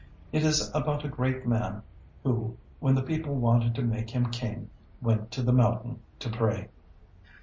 It is about a great Man, who, when the people wanted to make him king, went to the mountain to pray.